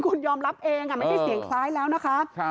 คุณยอมรับเองไม่ใช่เสียงคล้ายแล้วนะคะ